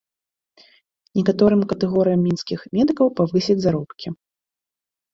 Некаторым катэгорыям мінскіх медыкаў павысяць заробкі.